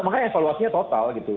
makanya evaluasinya total gitu